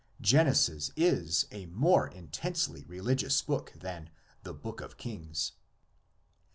Genesis is a more intensely religious book than the Book of Kings.